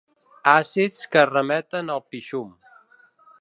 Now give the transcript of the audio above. Àcids que remeten al pixum.